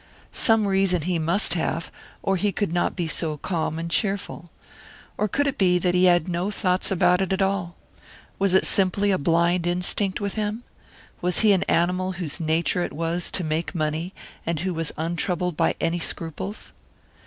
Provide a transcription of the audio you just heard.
Some reason he must have, or he could not be so calm and cheerful. Or could it be that he had no thoughts about it at all? Was it simply a blind instinct with him? Was he an animal whose nature it was to make money, and who was untroubled by any scruples?